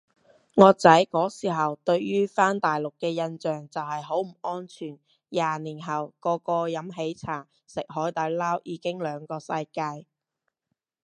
我仔嗰時對於返大陸嘅印象就係好唔安全，廿年後個個飲喜茶食海底撈已經兩個世界